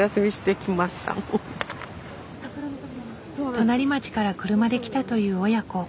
隣町から車で来たという親子。